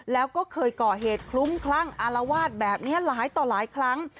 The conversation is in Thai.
แล้วก็เคยก่อเหตุคลุ้มคลั่งอารวาสแบบนี้หลายต่อหลายครั้ง